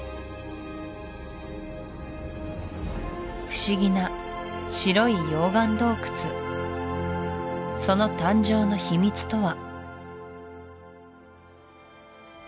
不思議な白い溶岩洞窟その誕生の秘密とは？